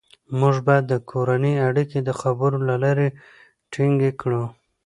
موږ باید د کورنۍ اړیکې د خبرو له لارې ټینګې کړو